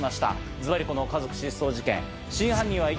ズバリこの家族失踪事件。